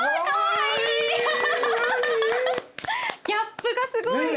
ギャップがすごい。